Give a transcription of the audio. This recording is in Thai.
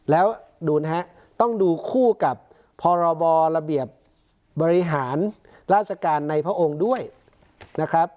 แล้วดูนะฮะต้องดูคู่กับพรบระเบียบบริหารราชการในพระองค์ด้วยนะครับ